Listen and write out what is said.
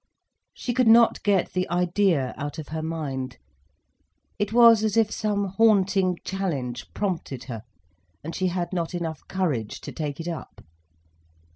She could not get the idea out of her mind. It was as if some haunting challenge prompted her, and she had not enough courage to take it up.